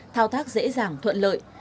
thao tác dễ dàng thuận lợi